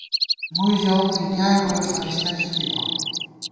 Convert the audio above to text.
مُوئی ژَوُم زی ڈیائےگوئی فرشتہ ژِتِبہ